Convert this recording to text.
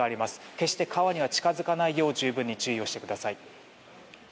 決して川には近づかないよう十分に注意してください。